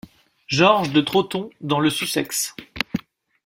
George de Trotton dans le Sussex.